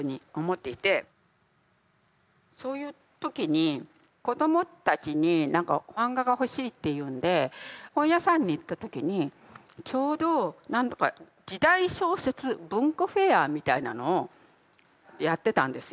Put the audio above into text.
そういう時に子どもたちに何か漫画が欲しいって言うんで本屋さんに行った時にちょうど何だか時代小説文庫フェアみたいなのをやってたんですよ。